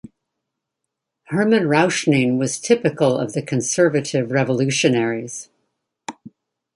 Hermann Rauschning was typical of the Conservative Revolutionaries.